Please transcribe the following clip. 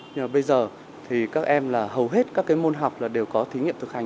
nhưng bây giờ thì các em là hầu hết các môn học đều có thí nghiệm thực hành